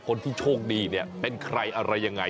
คนที่โชคดีเนี่ยเป็นใครอะไรยังไง